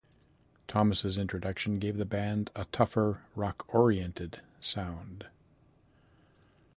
Thomas' introduction gave the band a tougher, rock-orientated sound.